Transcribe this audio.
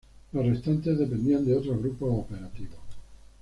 Los restantes dependían de otros grupos operativos.